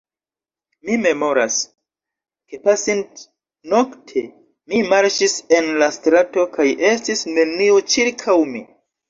Mi memoras, ke pasintnokte mi marŝis en la strato kaj estis neniu ĉirkaŭ mi.